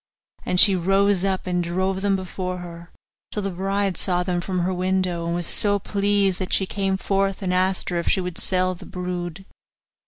And she rose up and drove them before her, till the bride saw them from her window, and was so pleased that she came forth and asked her if she would sell the brood.